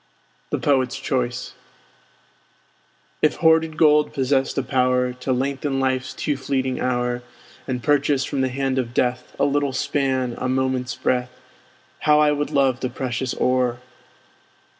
THE POET'S CHOICE If hoarded gold possessed a power To lengthen life's too fleeting hour, And purchase from the hand of death A little span, a moment's breath, How I would love the precious ore!